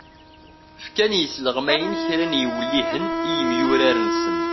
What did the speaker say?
Fkan yisleɣmayen kra n yiwellihen i yemyurar-nsen.